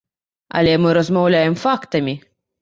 Але мы размаўляем фактамі.